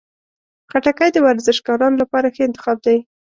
خټکی د ورزشکارانو لپاره ښه انتخاب دی.